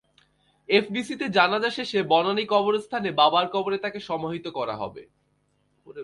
এফডিসিতে জানাজা শেষে বনানী কবরস্থানে বাবার কবরে তাঁকে সমাহিত করা হবে।